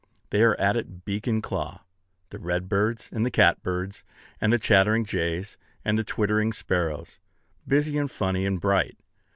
They are at it beak and claw, the red birds, and the cat birds, and the chattering jays, and the twittering sparrows, busy and funny and bright.